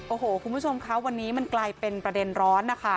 โอ้โหคุณผู้ชมคะวันนี้มันกลายเป็นประเด็นร้อนนะคะ